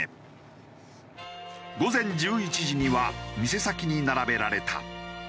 午前１１時には店先に並べられた。